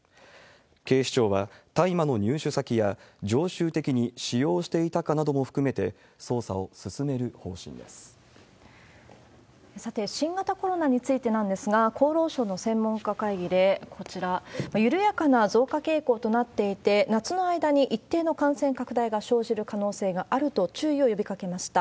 警視庁は、大麻の入手先や、常習的に使用していたかなども含めて、さて、新型コロナについてなんですが、厚労省の専門家会議で、こちら、緩やかな増加傾向となっていて、夏の間に一定の感染拡大が生じる可能性があると注意を呼びかけました。